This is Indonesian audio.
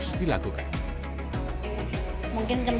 perkembangkan sekitarnya geren banget